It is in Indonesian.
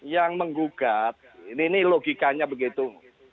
yang menggugat ini logikanya begitu